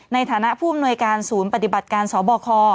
ในฐานะผู้อำนวยการศูนย์ปฏิบัติการสบค